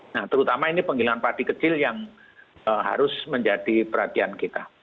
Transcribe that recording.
nah terutama ini penggilingan padi kecil yang harus menjadi perhatian kita